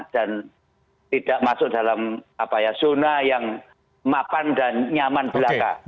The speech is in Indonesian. dan tidak masuk dalam zona yang mapan dan nyaman belaka